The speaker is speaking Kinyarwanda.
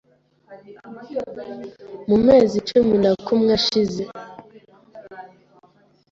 mu mezi cumin a kumwe ashize